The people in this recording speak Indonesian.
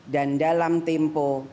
dan dalam tempo